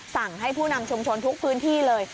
สั่งให้ผู้นำชุมชนทุกพื้นที่เลย